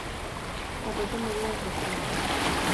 Datozen moduan sortzen ditut.